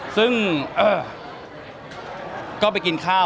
ซึ่งก็ไปกินข้าว